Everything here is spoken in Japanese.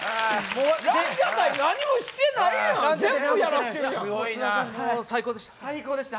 ランジャタイ何もしてないやん全部やらしてるやん最高でした